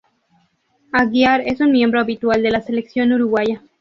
Aguiar es un miembro habitual de la Selección Uruguaya.